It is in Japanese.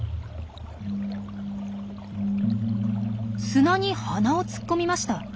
砂に鼻を突っ込みました。